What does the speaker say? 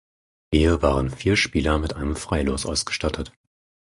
Hier waren vier Spieler mit einem Freilos ausgestattet.